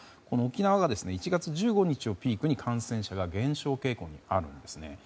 沖縄が１月１５日をピークに感染者が減少傾向にあります。